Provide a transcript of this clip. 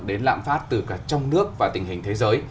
đến lạm phát từ cả trong nước và tình hình thế giới